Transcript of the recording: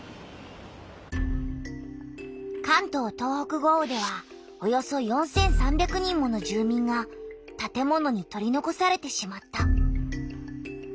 関東・東北豪雨ではおよそ４３００人もの住みんがたて物に取りのこされてしまった。